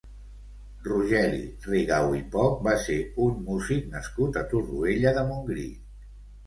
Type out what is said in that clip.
Rogeli Rigau i Poch va ser un músic nascut a Torroella de Montgrí.